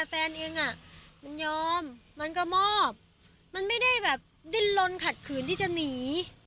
แฟนเองอ่ะมันยอมมันก็มอบมันไม่ได้แบบดิ้นลนขัดขืนที่จะหนี